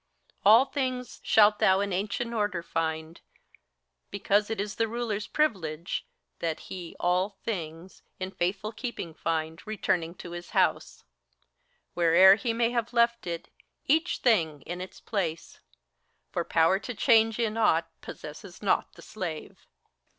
All things shalt thou in ancient order find : because It is the Ruler's privilege, that he all things In faithful keeping find, returning to his house, — Where'er he may have left it, each thing in its place ; For power to change in aught possesses not the slave."